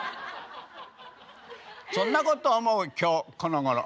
そんなことを思う今日このごろ。